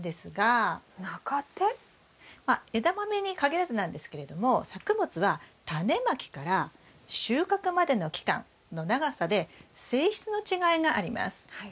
まあエダマメに限らずなんですけれども作物はタネまきから収穫までの期間の長さで性質の違いがあります。